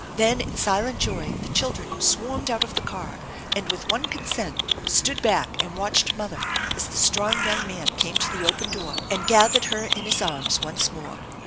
Then in silent joy the children swarmed out of the car, and with one consent stood back and watched mother, as the strong young man came to the open door and gathered her in his arms once more.